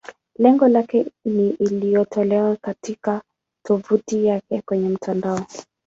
Lengo lake ni iliyotolewa katika tovuti yake kwenye mtandao.